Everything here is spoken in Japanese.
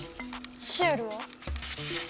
シエルは？